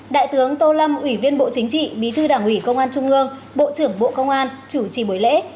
đại tướng tô lâm ủy viên bộ chính trị bí thư đảng ủy công an trung ương bộ trưởng bộ công an chủ trì buổi lễ